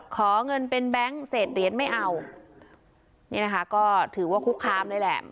ขอเงินเป็นแบงค์เศษเหรียญไม่เอานี่นะคะก็ถือว่าคุกคามเลยแหละ